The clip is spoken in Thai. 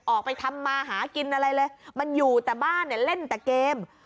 ออกไปทำมาหากินอะไรเลยมันอยู่แต่บ้านเนี่ยเล่นแต่เกม